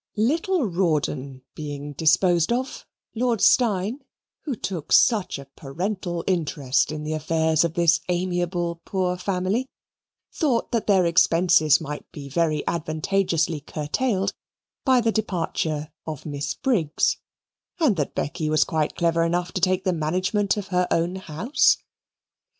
Little Rawdon being disposed of, Lord Steyne, who took such a parental interest in the affairs of this amiable poor family, thought that their expenses might be very advantageously curtailed by the departure of Miss Briggs, and that Becky was quite clever enough to take the management of her own house.